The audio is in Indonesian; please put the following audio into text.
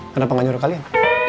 kenapa gak nyuruh kalian